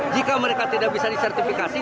jika mereka tidak bisa disertifikasi